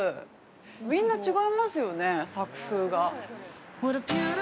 みんな違いますよね、作風が。